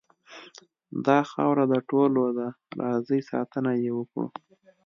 داخاوره دټولو ډ ه ده راځئ ساتنه یې وکړو .